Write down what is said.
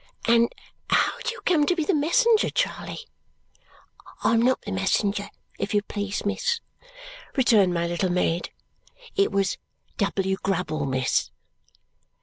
"And how do you come to be the messenger, Charley?" "I am not the messenger, if you please, miss," returned my little maid. "It was W. Grubble, miss."